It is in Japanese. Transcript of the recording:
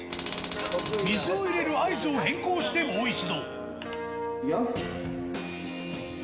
水を入れる合図を変更してもう一度。